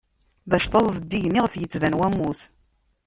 D acḍaḍ zeddigen iɣef ittban wammus.